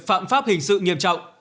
phạm pháp hình sự nghiêm trọng